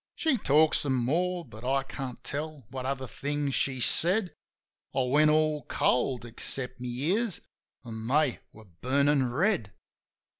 She talked some more; but I can't tell what other things she said. I went all cold, except my ears, an' they were burnin' red.